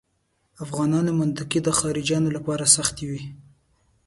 افغانانو منطقې د خارجیانو لپاره سختې وې.